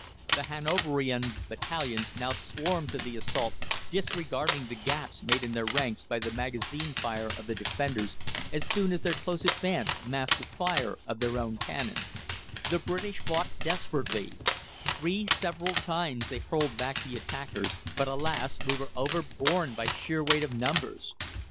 The Hanoverian battalions now swarmed to the assault, disregarding the gaps made in their ranks by the magazine fire of the defenders as soon as their close advance masked the fire of their own cannon. [Illustration: BATTLE OF CHELMSFORD. Position on the Evening of September 11.] "The British fought desperately. Three several times they hurled back at the attackers, but, alas! we were overborne by sheer weight of numbers.